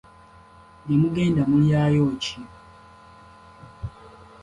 Gye mugenda mulyayo ki?